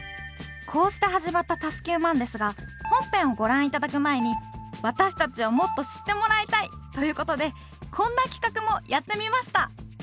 こうして始まった「＋９００００」ですが本編をご覧いただく前に私たちをもっと知ってもらいたいという事でこんな企画もやってみました